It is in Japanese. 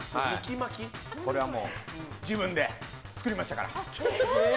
これは自分で作りましたから。